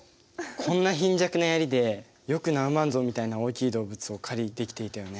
こんな貧弱なヤリでよくナウマンゾウみたいな大きい動物を狩りできていたよね。